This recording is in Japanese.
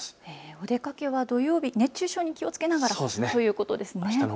お出かけは土曜日、熱中症に気をつけながらということですね。